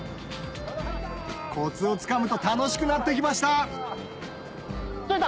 コツをつかむと楽しくなって来ました取れた！